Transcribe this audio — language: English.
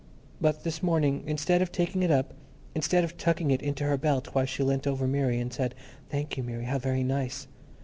But this morning, instead of taking it up, instead of tucking it into her belt while she leant over Mary and said, "Thank you, Mary. How very nice!